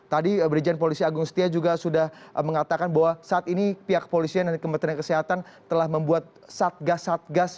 tadi brigjen polisi agung setia juga sudah mengatakan bahwa saat ini pihak kepolisian dan kementerian kesehatan telah membuat satgas satgas